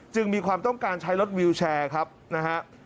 มีความต้องการใช้รถวิวแชร์ครับนะฮะ